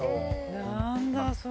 なんだ、それ。